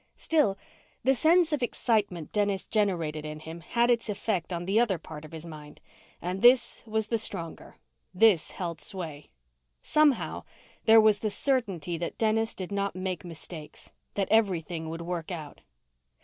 Still, the sense of excitement Dennis generated in him had its effect on the other part of his mind, and this was the stronger; this held sway. Somehow, there was the certainty that Dennis did not make mistakes; that everything would work out.